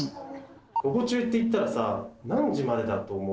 午後中って言ったらさ何時までだと思う？